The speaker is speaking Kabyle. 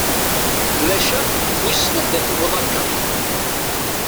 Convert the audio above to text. Maca wissen anda tewweḍ akka.